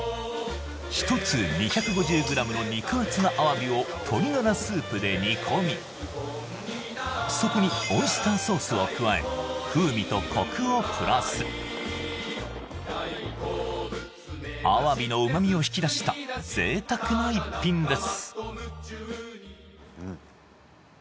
１つ２５０ｇの肉厚なアワビを鶏ガラスープで煮込みそこにオイスターソースを加え風味とコクをプラスアワビの旨みを引き出した贅沢な逸品です